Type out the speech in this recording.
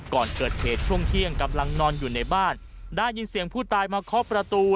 ก่อนเกิดเหตุช่วงเที่ยงกำลังนอนอยู่ในบ้านได้ยินเสียงผู้ตายมาเคาะประตู